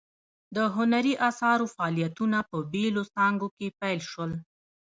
د هنري اثارو فعالیتونه په بیلو څانګو کې پیل شول.